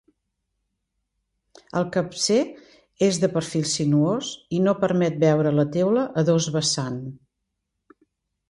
El capcer és de perfil sinuós i no permet veure la teula a dos vessant.